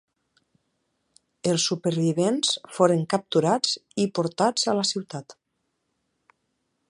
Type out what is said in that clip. Els supervivents foren capturats i portats a la ciutat.